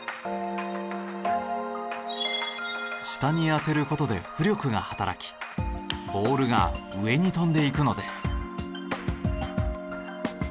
下に当てる事で浮力が働きボールが上に飛んでいくのです。